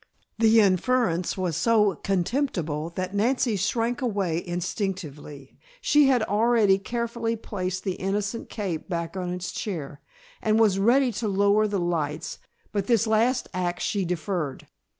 The inference was so contemptible that Nancy shrank away instinctively. She had already carefully placed the innocent cape back on its chair, and was ready to lower the lights, but this last act she deferred.